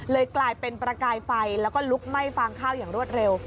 กลายเป็นประกายไฟแล้วก็ลุกไหม้ฟางข้าวอย่างรวดเร็ว